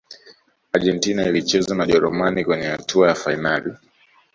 argentina ilicheza na ujerumani kwenye hatua ya fainali